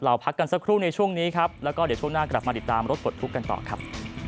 พักกันสักครู่ในช่วงนี้ครับแล้วก็เดี๋ยวช่วงหน้ากลับมาติดตามรถปลดทุกข์กันต่อครับ